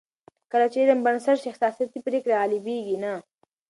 کله چې علم بنسټ شي، احساساتي پرېکړې غالبېږي نه.